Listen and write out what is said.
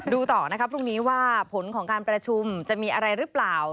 ดูต่อนะครับพรุ่งนี้ว่าผลของการประชุมจะมีอะไรหรือเปล่า